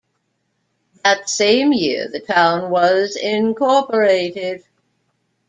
That same year, the town was incorporated.